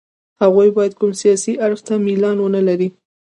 هغوی باید کوم سیاسي اړخ ته میلان ونه لري.